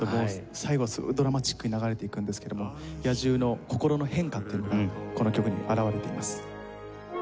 最後すごくドラマチックに流れていくんですけども野獣の心の変化っていうのがこの曲に表れています。